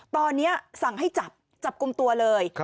ตอนนี้สั่งให้จับจับกลุ่มตัวเลย